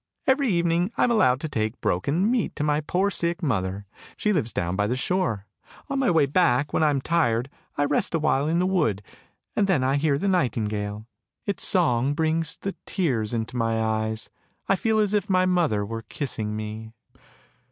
Every evening I am allowed to take broken meat to my poor sick mother: she lives down by the shore. On my way back when I am tired, I rest awhile in the wood, and then I hear the nightingale. Its song brings the tears into my eyes, I feel as if my mother were kissing me!